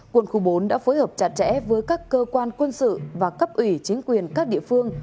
quân khu bốn đã phối hợp chặt chẽ với các cơ quan quân sự và cấp ủy chính quyền các địa phương